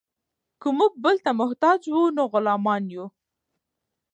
که موږ بل ته محتاج وو نو غلامان یو.